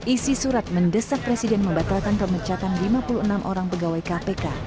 isi surat mendesak presiden membatalkan pemecatan lima puluh enam orang pegawai kpk